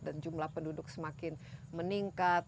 dan jumlah penduduk semakin meningkat